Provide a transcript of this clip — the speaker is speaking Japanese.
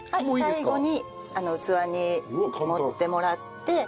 最後に器に盛ってもらって。